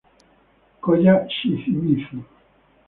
Koya Shimizu